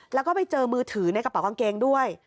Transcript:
แล้วก็ไปเจอมือถือในกระเป๋ากางเกงด้วย